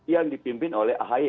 yang dipimpin oleh ahi